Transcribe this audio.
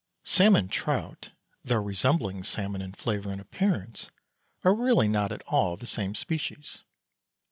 Salmon trout, though resembling salmon in flavour and appearance, are really not at all the same species.